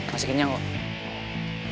masih kenyang kok